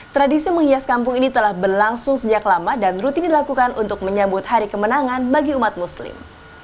tradisi menghias kampung ini telah berlangsung sejak lama dan rutin dilakukan untuk menyambut hari kemenangan bagi umat muslim